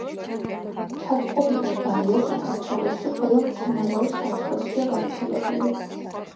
ჩაწყობილა ბაია საქართველოში ყველა მცენარეულ სარტყელშია გავრცელებული.